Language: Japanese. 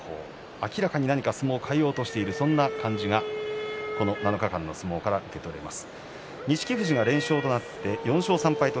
明らかに相撲を変えようとしている感じがこの７日間の相撲で感じられます。